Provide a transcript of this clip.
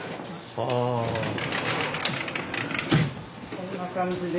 こんな感じで。